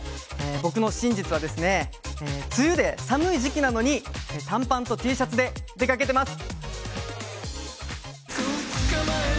僕の真実は梅雨で寒い時期なのに短パンとＴシャツで出かけています。